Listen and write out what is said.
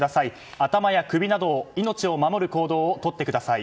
頭や首など命を守る行動をとってください。